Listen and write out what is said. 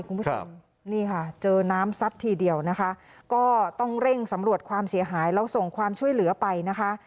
คุณผู้ชมนี่ค่ะเจอน้ำซัดทีเดียวนะคะก็ต้องเร่งสำรวจความเสียหายแล้วส่งความช่วยเหลือไปนะคะ